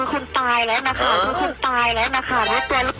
เอาผมตายแล้ว